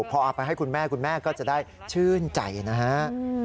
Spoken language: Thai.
พอเอาไปให้คุณแม่คุณแม่ก็จะได้ชื่นใจนะฮะ